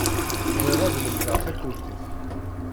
Bɣiɣ ad lemdeɣ takurdit.